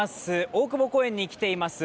大久保公園に来ています。